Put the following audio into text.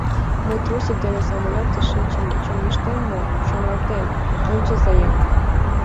Мый трусик дене самолётыш шинчын чоҥештем мо, шоналтен ончыза-ян!